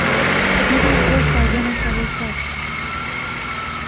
It may be approached by one or several steps.